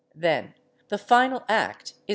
Then the final act is fig.